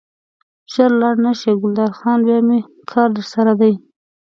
ژر لاړ نه شې ګلداد خانه بیا مې کار درسره دی.